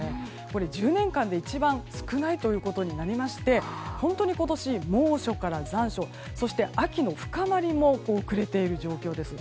１０年間で一番少ないことになりまして本当に今年は猛暑から残暑そして、秋の深まりも遅れている状況です。